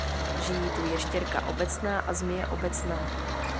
Žijí tu ještěrka obecná a zmije obecná.